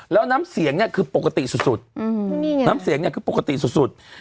แล้วน้ำเสียงเนี่ยคือปกติสุดสุด